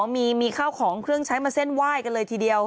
มีข้าวของเครื่องใช้มาเส้นไหว้กันเลยทีเดียว